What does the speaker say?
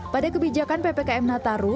pada kebijakan ppkm nataru